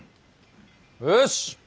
よし。